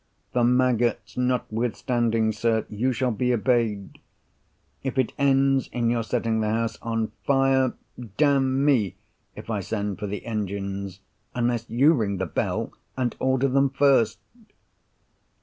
The maggots notwithstanding, sir, you shall be obeyed. If it ends in your setting the house on fire, Damme if I send for the engines, unless you ring the bell and order them first!"